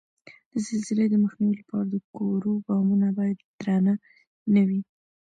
د زلزلې د مخنیوي لپاره د کورو بامونه باید درانه نه وي؟